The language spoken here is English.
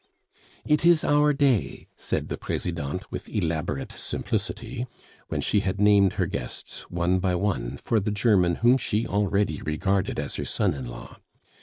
"It is our day," said the Presidente with elaborate simplicity, when she had named her guests one by one for the German whom she already regarded as her son in law.